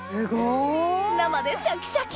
生でシャキシャキ！